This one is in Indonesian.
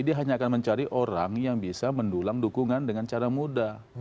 dia hanya akan mencari orang yang bisa mendulang dukungan dengan cara mudah